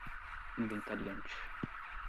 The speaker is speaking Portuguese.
inventariante